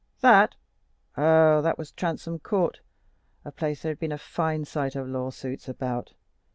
That? oh, that was Transome Court, a place there had been a fine sight of lawsuits about.